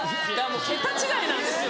桁違いなんですよ！